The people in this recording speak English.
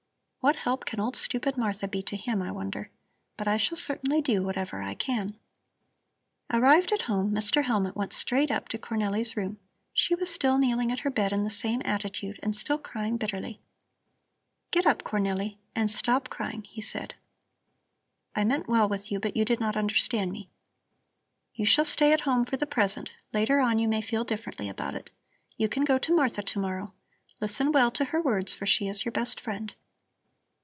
"What help can old, stupid Martha be to him, I wonder. But I shall certainly do whatever I can." Arrived at home, Mr. Hellmut went straight up to Cornelli's room. She was still kneeling at her bed in the same attitude, and still crying bitterly. "Get up, Cornelli, and stop crying," he said. "I meant well with you, but you did not understand me. You shall stay at home for the present; later on you may feel differently about it. You can go to Martha to morrow. Listen well to her words, for she is your best friend."